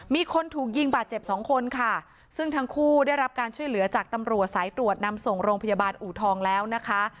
มีคนถูกยิงบาดเจ็บสองคนค่ะซึ่งทั้งคู่ได้รับการช่วยเหลือจากตำรวจสายตรวจนำส่งโรงพยาบาลอูทองแล้วนะคะ